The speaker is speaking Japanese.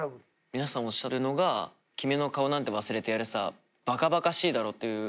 皆さんおっしゃるのが「君の顔なんて忘れてやるさ馬鹿馬鹿しいだろ」という。